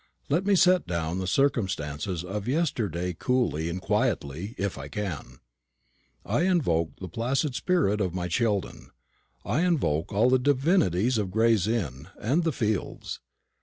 Let me set down the circumstances of yesterday coolly and quietly if I can. I invoke the placid spirit of my Sheldon. I invoke all the divinities of Gray's Inn and "The Fields."